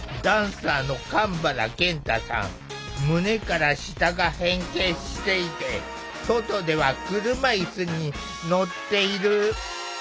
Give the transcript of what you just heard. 胸から下が変形していて外では車いすに乗っている。